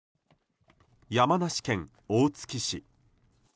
山梨県大月市。